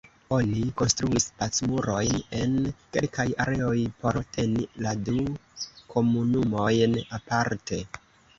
Oni konstruis "Pacmurojn" en kelkaj areoj por teni la du komunumojn aparte.